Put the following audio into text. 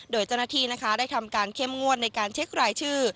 โดยเจ้าหน้าที่นะคะได้ทำการเข้มงวดในการเช็ครายชื่อ